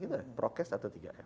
gitu ya prokes atau tiga l